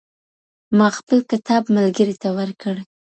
ما خپل کتاب ملګري ته ورکړ.